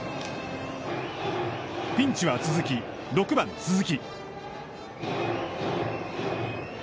ピンチは続き、６番鈴木。